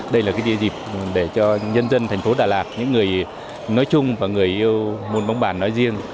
đây là địa dịp để cho nhân dân thành phố đà lạt những người nói chung và người yêu môn bóng bàn nói riêng